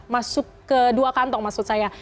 masuk kedua kantong maksud saya